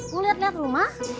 mau liat liat rumah